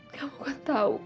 kamu kan tahu